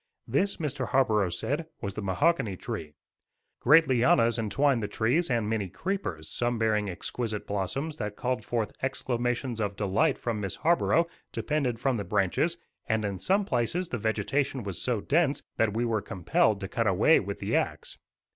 This, Mr. Harborough said, was the mahogany tree. Great lianas entwined the trees and many creepers, some bearing exquisite blossoms that called forth exclamations of delight from Miss Harborough, depended from the branches; and in some places the vegetation was so dense that we were compelled to cut a way with the axe.